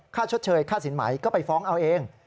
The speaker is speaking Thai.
ชดเชยค่าสินไหมก็ไปฟ้องเอาเอง